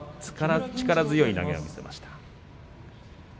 力強い投げを見せました。